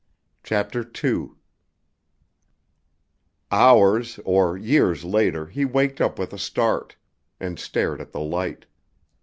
CHAPTER II Hours or years later he waked up with a start, and stared at the light.